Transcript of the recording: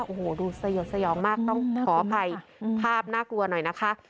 โอ้โหดูสยดสยองมากต้องขออภัยภาพน่ากลัวหน่อยนะคะ